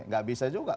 nggak bisa juga